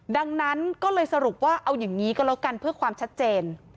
ดังนั้นก็เลยสรุปว่าเอาอย่างนี้ก็แล้วกันเพื่อความชัดเจน